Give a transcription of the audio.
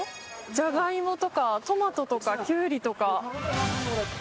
ジャガイモとかトマトとかキュウリとか。